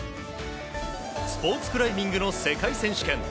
スポーツクライミングの世界選手権。